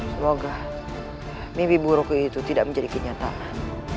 semoga mimpi buruk itu tidak menjadi kenyataan